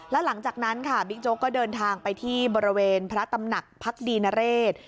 แล้วหลังจากนั้นค่ะบิ๊กโจ๊กก็เดินทางไปที่บริเวณพระตำหนักพักดีนเรศ